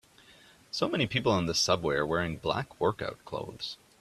So many people on the subway are wearing black workout clothes.